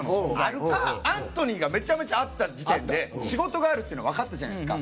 アントニーがめちゃめちゃあった時点で仕事があるって分かったじゃないですか。